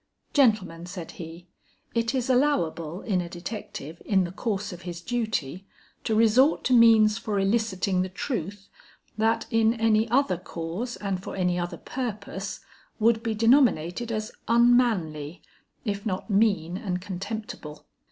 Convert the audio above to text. "Gentlemen," said he, "it is allowable in a detective in the course of his duty, to resort to means for eliciting the truth, that in any other cause and for any other purpose, would be denominated as unmanly, if not mean and contemptible.